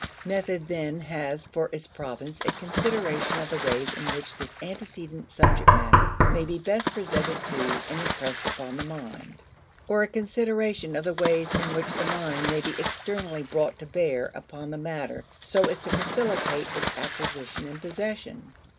Method then has for its province a consideration of the ways in which this antecedent subject matter may be best presented to and impressed upon the mind; or, a consideration of the ways in which the mind may be externally brought to bear upon the matter so as to facilitate its acquisition and possession.